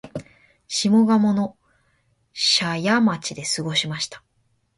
下鴨の社家町で過ごしました